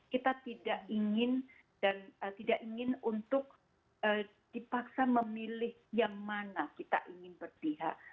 kita tidak ingin untuk dipaksa memilih yang mana kita ingin berpihak